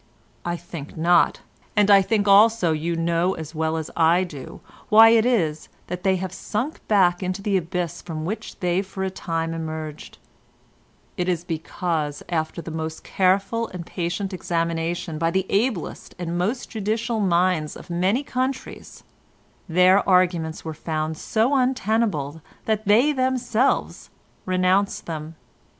I think not; and I think also you know as well as I do why it is that they have sunk back into the abyss from which they for a time emerged: it is because after the most careful and patient examination by the ablest and most judicial minds of many countries, their arguments were found so untenable that they themselves renounced them.